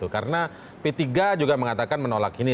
karena p tiga juga mengatakan menolak ini